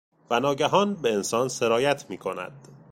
و ناگهان، به انسان سرایت میکند